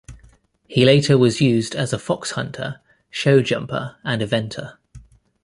He later was used as a fox hunter, show jumper, and eventer.